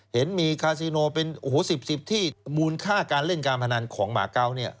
เห็นมีคาซิโนเป็น๑๐๑๐ที่มูลค่าการเล่นการพนันของหมาเกาเนี่ย